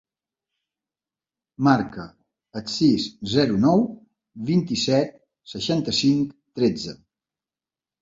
Marca el sis, zero, nou, vint-i-set, seixanta-cinc, tretze.